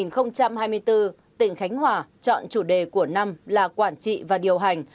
năm hai nghìn hai mươi bốn tỉnh khánh hòa chọn chủ đề của năm là quản trị và điều hành